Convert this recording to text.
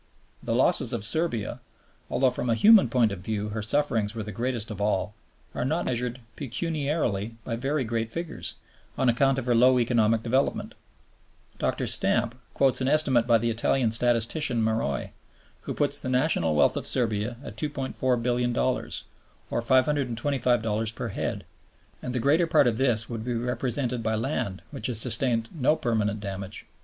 The losses of Serbia, although from a human point of view her sufferings were the greatest of all, are not measured pecuniarily by very great figures, on account of her low economic development. Dr. Stamp (loc. cit.) quotes an estimate by the Italian statistician Maroi, which puts the national wealth of Serbia at $2,400,000,000 or $525 per head, and the greater part of this would be represented by land which has sustained no permanent damage.